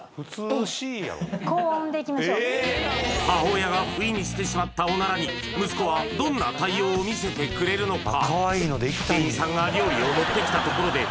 母親が不意にしてしまったオナラに息子はどんな対応を見せてくれるのか？